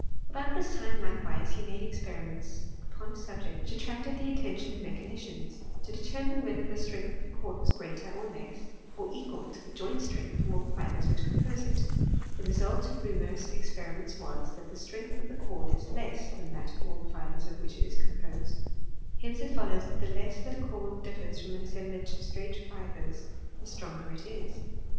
About this time, likewise, he made experiments upon a subject which attracted the attention of me chanicians— to determine whether the strength of a cord was greater, or less, or equal to the joint strength of all the fibres which compose it. The result of Reaumur's experiments was, that the strength of the cord is less than that of all the fibres of which it is com posed. Hence it follows, that the less that a cord ditfers from an assemblage of straight fibres, the stronger it is.